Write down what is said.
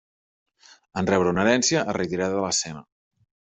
En rebre una herència es retirà de l'escena.